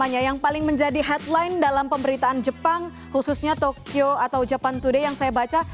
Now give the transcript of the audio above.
yang paling menjadi headline dalam pemberitaan jepang khususnya tokyo atau japan today yang saya baca